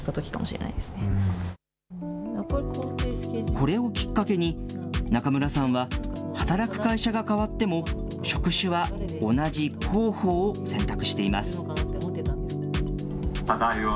これをきっかけに、中村さんは働く会社が変わっても、職種は同じ広報を選択しています。